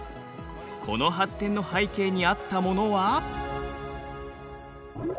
この発展の背景にあったものは。